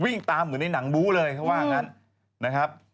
ตามเหมือนในหนังบู้เลยเขาว่างั้นนะครับ